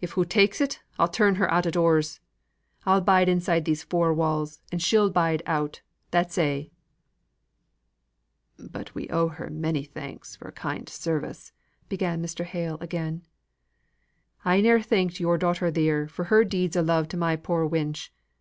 "If hoo takes it, I'll turn her out o' doors. I'll bide inside these four walls, and she'll bide out. That's a'." "But we owe her many thanks for her kind service," began Mr. Hale again. "I ne'er thanken your daughter theer for her deeds o' love to my poor wench.